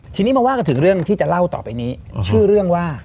ทีนี้มาว่ากันถึงเรื่องที่จะเล่าต่อไปนี้ชื่อเรื่องว่า